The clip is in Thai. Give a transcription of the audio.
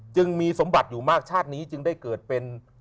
จึงมีสมบัติอยู่มากชาตินี้จึงได้เกิดเป็น